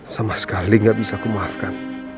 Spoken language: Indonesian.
sama sekali gak bisa kumaafkan